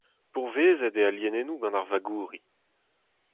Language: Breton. Pourvezet eo al lienennoù gant ar vagouri.